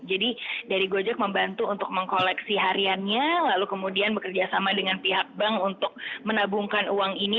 jadi dari gojek membantu untuk mengkoleksi hariannya lalu kemudian bekerjasama dengan pihak bank untuk menabungkan uang ini